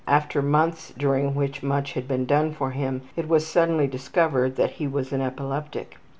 After months during which much had been done for him it was suddenly discovered that he was an epileptic.